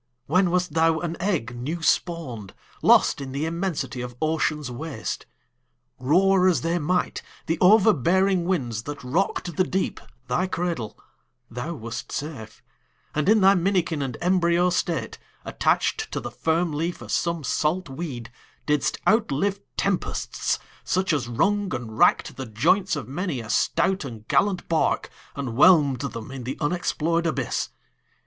When wast thou an egg new spawn'd, Lost in the immensity of ocean's waste? Roar as they might, the overbearing winds That rock'd the deep, thy cradle, thou wast safe And in thy minikin and embryo state, Attach'd to the firm leaf of some salt weed, Didst outlive tempests, such as wrung and rack'd The joints of many a stout and gallant bark, And whelm'd them in the unexplor'd abyss.